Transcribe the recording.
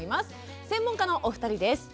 専門家のお二人です。